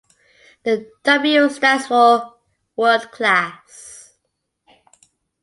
The 'W' stands for 'World Class.